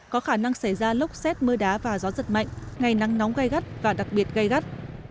có khả năng xảy ra lốc xét mưa đá và gió giật mạnh ngày nắng nóng gai gắt và đặc biệt gây gắt